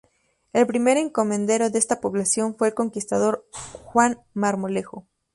El primer encomendero de esta población fue el conquistador Juan Marmolejo.